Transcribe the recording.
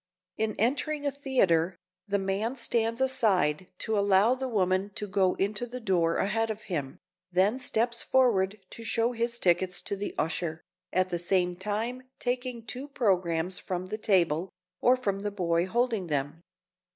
In entering a theater, the man stands aside to allow the woman to go into the door ahead of him, then steps forward to show his tickets to the usher, at the same time taking two programs from the table, or from the boy holding them.